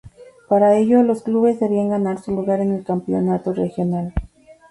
Para ello, los clubes debían ganar su lugar en Campeonato Regional.